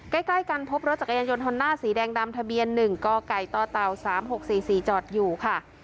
ใกล้ใกล้กันพบรถจักรยานยนต์ธนาสีแดงดำทะเบียนหนึ่งก่อไก่ต่อเตา๓๖๔๔จอดอยู่ค่ะ